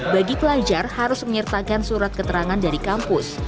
bagi pelajar harus menyertakan surat keterangan dari kampus